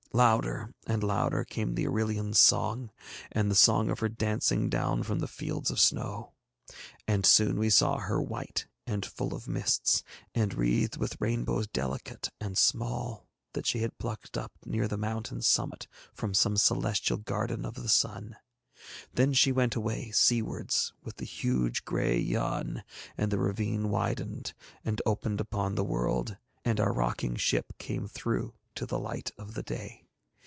Louder and louder came the Irillion's song, and the sound of her dancing down from the fields of snow. And soon we saw her white and full of mists, and wreathed with rainbows delicate and small that she had plucked up near the mountain's summit from some celestial garden of the Sun. Then she went away seawards with the huge grey Yann and the ravine widened, and opened upon the world, and our rocking ship came through to the light of the day.